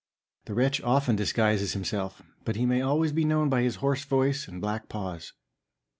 The wretch often disguises himself, but he may always be known by his hoarse voice and black paws."